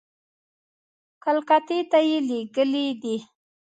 کلکتې ته یې لېږلي دي.